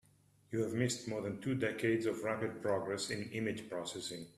You have missed more than two decades of rapid progress in image processing.